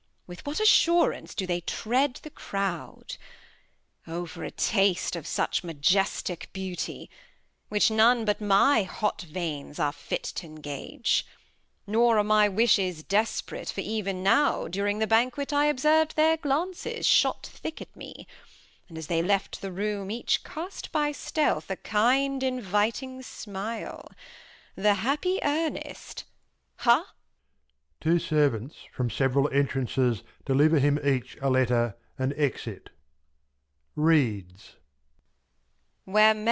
With what Assurance do they treat the Crowd. O for a Tast of such Majestick Beauty, Which none but my hot Veins are fit t' engage ;* 2o8 The History of [Act iii Nor are my Wishes desp'rate, for even now. During the Banquet, I observ'd their Glances Shot thick at me ; and, as they left the Room, Each cast, by stealth, a kind inviting Smile, The happy Earnest ^ha